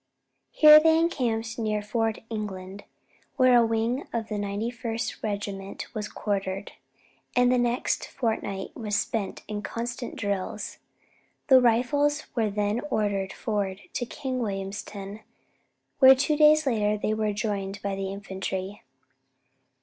Here they encamped near Fort England, where a wing of the 91st Regiment was quartered, and the next fortnight was spent in constant drills. The rifles were then ordered forward to King Williamstown, where two days later they were joined by the infantry.